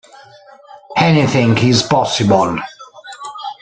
Anything Is Possible